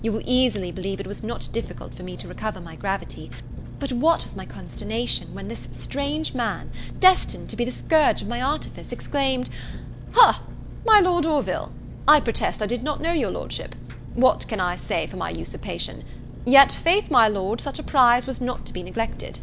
You will easily believe it was not difficult for me to recover my gravity; but what was my consternation, when this strange man, destined to be the scourge of my artifice, exclaimed, "Ha! My Lord Orville! I protest I did not know your Lordship. What can I say for my usurpation? Yet, faith, my Lord, such a prize was not to be neglected."